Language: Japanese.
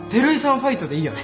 ファイトでいいよね？